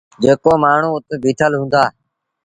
جيڪو مآڻهوٚٚ اُت بيٚٺل هُݩدآ